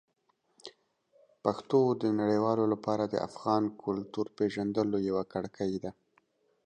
پښتو د نړیوالو لپاره د افغان کلتور پېژندلو یوه کړکۍ ده.